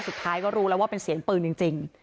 สุดท้ายก็รู้แล้วว่าเป็นเสียงปืนจริง